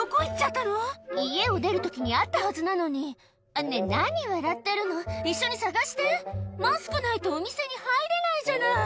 家を出るときにあったはずなのに、なに、笑ってるの、一緒に探して、マスクないと、お店に入れないじゃない。